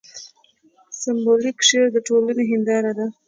سېمبولیک شعر د ټولنې هینداره ده.